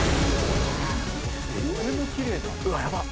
「トテもきれいだ」